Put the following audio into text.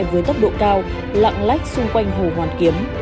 với tốc độ cao lạng lách xung quanh hồ hoàn kiếm